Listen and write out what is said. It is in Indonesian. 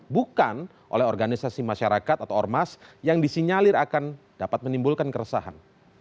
bukan oleh organisasi masyarakat atau ormas yang disinyalir akan dapat menimbulkan keresahan